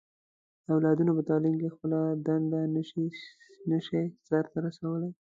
د اولادونو په تعليم کې خپله دنده نه شي سرته رسولی.